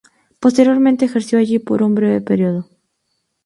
Posteriormente ejerció allí por un breve periodo.